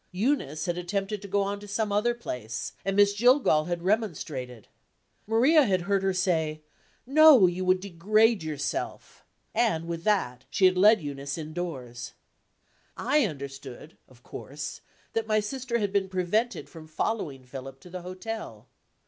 Eunice had attempted to go on to some other place; and Miss Jillgall had remonstrated. Maria had heard her say: "No, you would degrade yourself" and, with that, she had led Eunice indoors. I understood, of course, that my sister had been prevented from following Philip to the hotel.